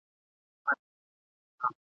د رستم په شاني ورسه و جګړو ته د زمریانو !.